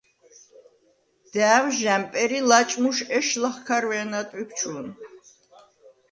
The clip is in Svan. და̄̈ვ ჟ’ა̈მპერ ი ლაჭმუშ ეშ ლახქარვე̄ნა ტვიბჩუ̄ნ.